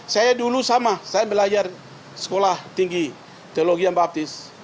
saya dulu sama saya belajar sekolah tinggi teologi yang baptis